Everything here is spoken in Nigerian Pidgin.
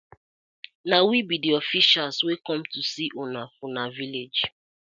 Na we bi di officials wey com to see una for una village.